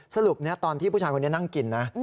สรุปตอนที่ผู้ชายคนนี้นั่งกินนะ